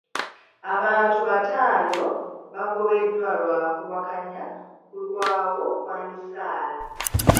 Abantu bataano baagobeddwa lwa kuwakanya kulwawo kwa misaala.